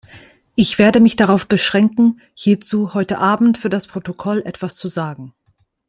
Ich werde mich darauf beschränken, hierzu heute Abend für das Protokoll etwas zu sagen.